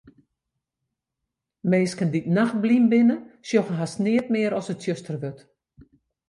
Minsken dy't nachtblyn binne, sjogge hast neat mear as it tsjuster wurdt.